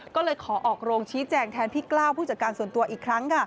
ก็เลยขอออกโรงชี้แจงแทนพี่กล้าวผู้จัดการส่วนตัวอีกครั้ง